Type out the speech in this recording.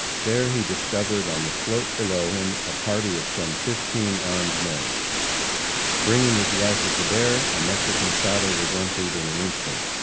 There he discovered on the slope below him a party of some fifteen armed men. Bringing his rifle to bear, a Mexican saddle was emptied in an instant.